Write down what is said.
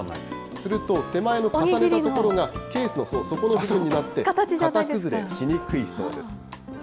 すると、手前の重ねたところがケースの底の部分になって、型崩れしにくいそうです。